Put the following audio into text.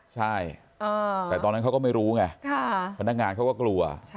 ใช่แต่ตอนนั้นเขาก็ไม่รู้ไงพนักงานเขาก็กลัว